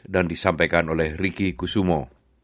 dan disampaikan oleh riki kusumo